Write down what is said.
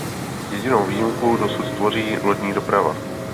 Jedinou výjimku dosud tvoří lodní doprava.